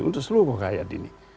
untuk seluruh rakyat ini